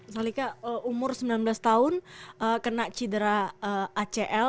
salika umur sembilan belas tahun kena cedera acl